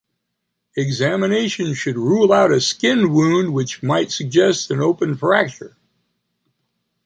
Examination should rule out a skin wound which might suggest an open fracture.